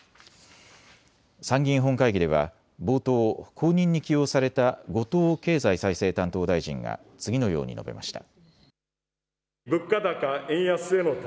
参議院本会議では冒頭、後任に起用された後藤経済再生担当大臣が次のように述べました。